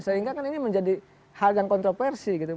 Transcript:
sehingga kan ini menjadi hal yang kontroversi gitu